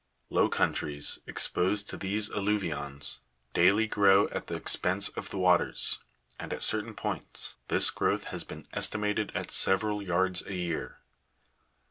Low countries, exposed to these alluvions, daily grow at the .ex pense of the waters, and, at certain points, this growth has been estimated at several yards a year.